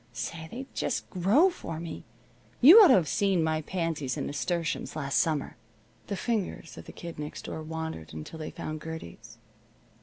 Say, they just grow for me. You ought to have seen my pansies and nasturtiums last summer." The fingers of the Kid Next Door wandered until they found Gertie's.